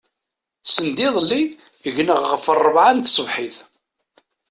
Sendiḍelli gneɣ ɣef ṛṛabɛa n tṣebḥit.